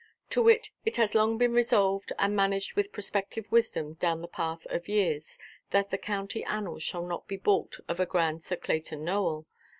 To wit, it has been long resolved, and managed with prospective wisdom down the path of years, that the county annals shall not be baulked of a grand Sir Clayton Nowell.